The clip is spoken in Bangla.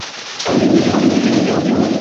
যেমন তিনি কীভাবে দিন কাটাতেন?